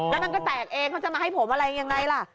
แล้วมันก็แตกเองเขาจะมาให้ผมอะไรยังไงล่ะ